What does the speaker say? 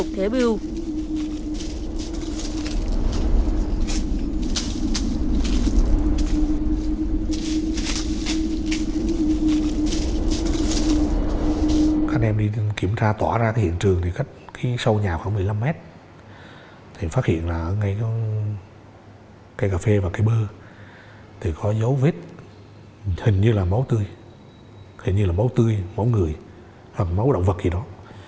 các anh em đi kiểm tra tỏa ra cái hiện trường thì cách cái sâu nhà khoảng một mươi năm m thì phát hiện là ngay cái cây cà phê và cây bơ thì có dấu vết hình như là máu tươi hình như là máu tươi máu người hoặc máu động vật gì đó